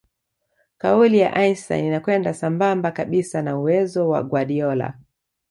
kauli ya Einstein inakwenda sambamba kabisa na uwezo wa Guardiola